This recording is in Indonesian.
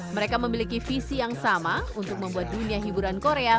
mereka memiliki visi yang sama untuk membuat dunia hiburan korea